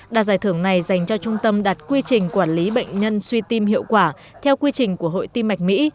đạt giải thưởng này dành cho trung tâm đạt quy trình quản lý bệnh nhân suy tim hiệu quả theo quy trình của hội tim mạch mỹ